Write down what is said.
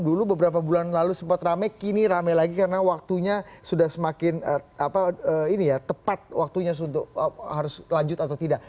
dulu beberapa bulan lalu sempat rame kini rame lagi karena waktunya sudah semakin tepat waktunya untuk harus lanjut atau tidak